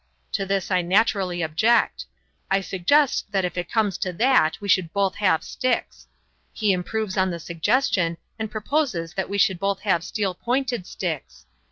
To this I naturally object. I suggest that if it comes to that we should both have sticks. He improves on the suggestion and proposes that we should both have steel pointed sticks.